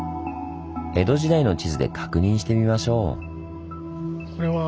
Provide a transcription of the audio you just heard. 江戸時代の地図で確認してみましょう。